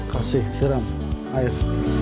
kasih seram air